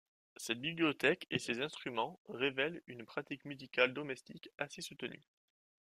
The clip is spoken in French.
Cette bibliothèque et ces instruments révèlent une pratique musicale domestique assez soutenue.